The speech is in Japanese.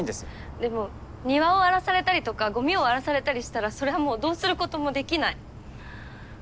でも庭を荒らされたりとかゴミを荒らされたりしたらそれはもうどうすることもできない。